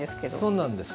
そうなんです。